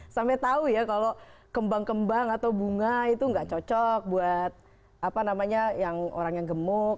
sampai tahu ya kalau kembang kembang atau bunga itu nggak cocok buat orang yang gemuk